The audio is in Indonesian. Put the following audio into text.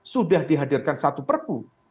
sudah dihadirkan satu perpu